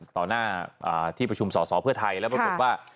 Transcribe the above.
ต่อหน้าที่ประชุมสอสอเพื่อไทยแล้วปรากฏว่า